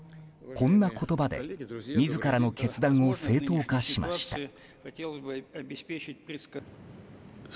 こんな言葉で自らの決断を正当化しました。